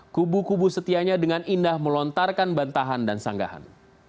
kubu kubu setianya dengan indah melontarkan bantahan dan sanggahan